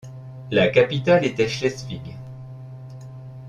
La capitale était Schleswig.